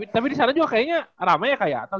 tapi disana juga kayaknya ramai ya kak yatal